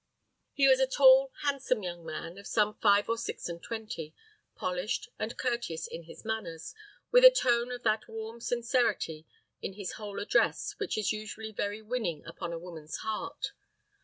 He was a tall, handsome young man, of some five or six and twenty, polished and courteous in his manners, with a tone of that warm sincerity in his whole address which is usually very winning upon woman's heart.